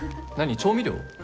調味料？